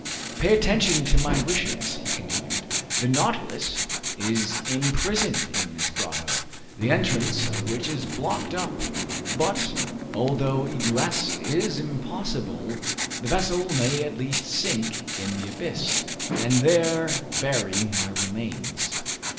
"Pay attention to my wishes," he continued. "The 'Nautilus' is imprisoned in this grotto, the entrance of which is blocked up; but, although egress is impossible, the vessel may at least sink in the abyss, and there bury my remains."